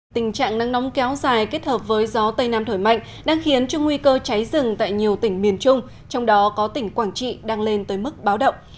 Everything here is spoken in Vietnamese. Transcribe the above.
tình trạng nắng nóng kéo dài kết hợp với gió tây nam thổi mạnh đang khiến cho nguy cơ cháy rừng tại nhiều tỉnh miền trung trong đó có tỉnh quảng trị đang lên tới mức báo động